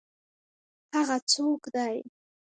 هغه څوک دی؟